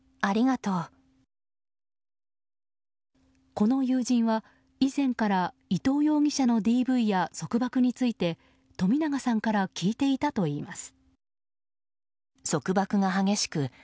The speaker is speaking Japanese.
この友人は以前から伊藤容疑者のＤＶや束縛について冨永さんから聞いていたといいます。